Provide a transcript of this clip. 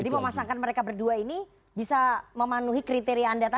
jadi memasangkan mereka berdua ini bisa memanuhi kriteria anda tadi ya